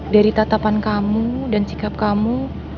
dari tatapan kamu dan sikap kamu